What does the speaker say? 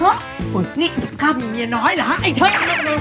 เฮ้นี่ไม่รู้ว่าพี่หนูมีเมียน้อยเหรอไอเทิม